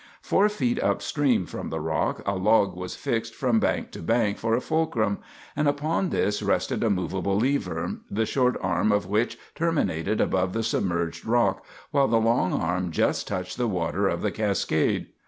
Four feet up stream from the rock a log was fixed from bank to bank for a fulcrum, and upon this rested a movable lever, the short arm of which terminated above the submerged rock, while the long arm just touched the water of the cascade.